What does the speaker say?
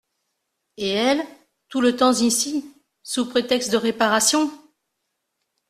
Et elle, tout le temps ici… sous prétexte de réparations…